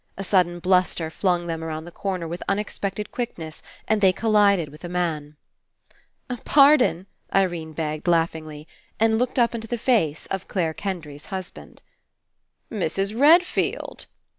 A sudden bluster flung them around the corner with unexpected quickness and they collided with a man. "Pardon," Irene begged laughingly, and looked up Into the face of Clare Kendry's husband. "Mrs. Redfield!"